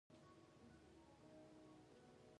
پښتو ستاسو د غږ په تمه ده.